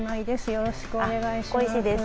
よろしくお願いします。